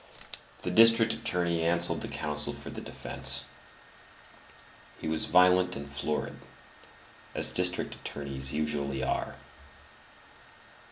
The district attorney answered the counsel for the defence. He was violent and florid, as district attorneys usually are.